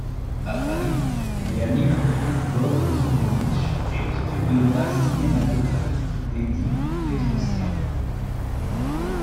À Paris, Liamine retrouve Bob Zoubowitch et le studio d'art cinématographique d'Eddy Pétrossian.